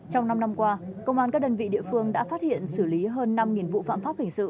trong năm năm qua công an các đơn vị địa phương đã phát hiện xử lý hơn năm vụ phạm pháp hình sự